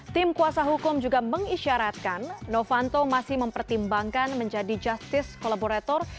tim kuasa hukum juga mengisyaratkan novanto masih mempertimbangkan menjadi justice kolaborator